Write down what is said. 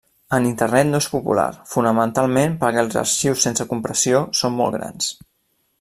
En Internet no és popular, fonamentalment perquè els arxius sense compressió són molt grans.